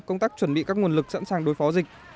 công tác chuẩn bị các nguồn lực sẵn sàng đối phó dịch